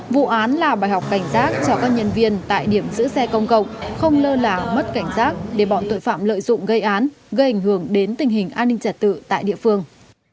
vụ án là bài học cảnh giác cho các nhân viên tại điểm giữ xe công cộng không lơ là mất cảnh giác để bọn tội phạm lợi dụng gây án gây ảnh hưởng đến tình hình an ninh trật tự tại địa phương